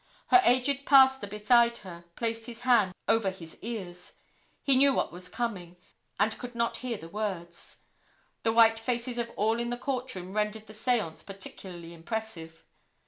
Her aged pastor beside her placed his hands over his ears. He knew what was coming, and could not hear the words. The white faces of all in the court room rendered the seance particularly impressive.